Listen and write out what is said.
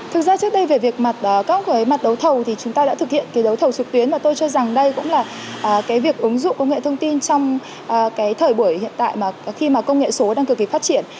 thực ra trước đây về việc mặt các mặt đấu thầu thì chúng ta đã thực hiện cái đấu thầu trực tuyến và tôi cho rằng đây cũng là cái việc ứng dụng công nghệ thông tin trong cái thời buổi hiện tại mà khi mà công nghệ số đang cực kỳ phát triển